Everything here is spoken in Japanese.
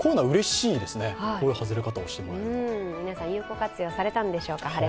皆さん、晴れ間を有効活用されたんでしょうか。